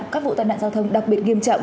các vụ tai nạn giao thông đặc biệt nghiêm trọng